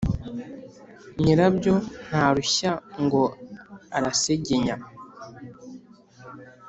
nyirabyo ntarushya ngo arasegenya !